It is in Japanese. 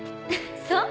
そう？